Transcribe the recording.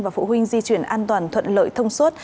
và phụ huynh di chuyển an toàn thuận lợi thông suốt